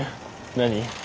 何？